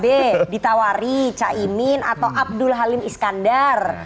dari pkb ditawari caimin atau abdul halim iskandar